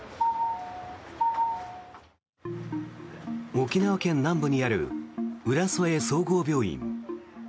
沖縄県南部にある浦添総合病院。